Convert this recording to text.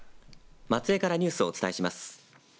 松江からニュースをお伝えします。